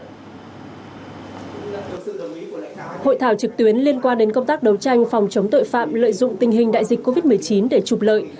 hội thảo trực tuyến liên quan đến công tác đấu tranh phòng chống tội phạm lợi dụng tình hình đại dịch covid một mươi chín để trục lợi